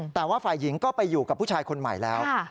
แต่ว่าฝ่ายหญิงก็ไปอยู่กับผู้ชายคนใหม่แล้ว